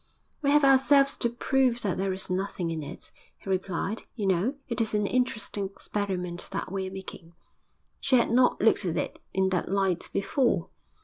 'We have ourselves to prove that there is nothing in it,' he replied. 'You know, it is an interesting experiment that we are making.' She had not looked at it in that light before.